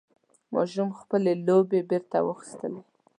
ماشوم خپل لوبعې بېرته واخیستلې.